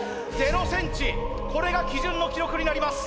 これが基準の記録になります。